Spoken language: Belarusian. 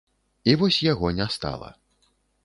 І вось яго не стала.